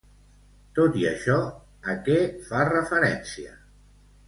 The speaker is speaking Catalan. Tot i això, a què fa referència?